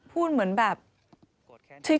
พูดเหมือนแบบ